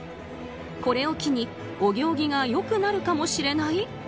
これを機にお行儀がよくなるかもしれない。